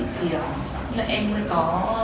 thì em có